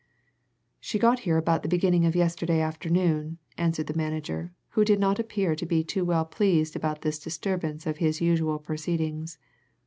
"She got here about the beginning of yesterday afternoon," answered the manager, who did not appear to be too well pleased about this disturbance of his usual proceedings.